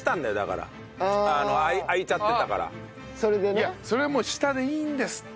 いやそれはもう下でいいんですって。